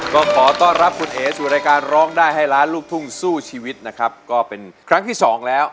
ก็ขอต้อนรับคุณเอ๋สู่รายการร้องได้ให้ล้านลูกทุ่งสู้ชีวิตนะครับก็เป็นครั้งที่สองแล้ว